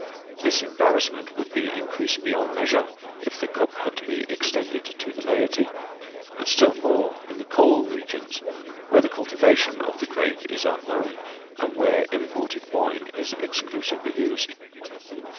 This embarrassment would be increased beyond measure if the cup had to be extended to the laity, and still more in the coal regions, where the cultivation of the grape is unknown and where imported wine is exclusively used.